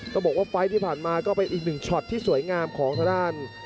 ต้องบอกว่าไฟล์ที่ผ่านมาก็เป็นอีกหนึ่งช็อตที่สวยงามของทางด้าน